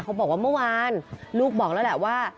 เขาบอกว่าเมื่อวานลูกบอกแล้วแหละว่า